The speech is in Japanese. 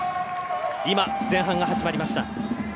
前半が始まりました。